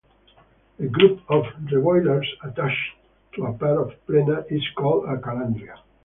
A group of reboilers attached to a pair of plena is called a calandria.